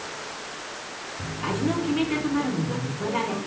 味のキメテとなるのがみそだれ。